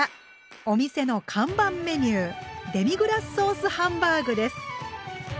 お店の看板メニューデミグラスソースハンバーグです。